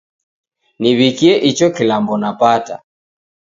Niw'ikie icho kilambo napata.